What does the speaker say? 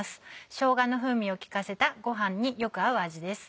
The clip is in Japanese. しょうがの風味を効かせたご飯によく合う味です。